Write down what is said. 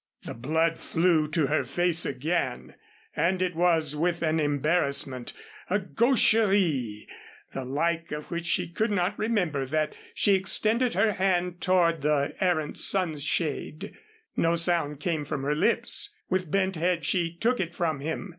'"] The blood flew to her face again and it was with an embarrassment, a gaucherie, the like of which she could not remember, that she extended her hand toward the errant sunshade. No sound came from her lips; with bent head she took it from him.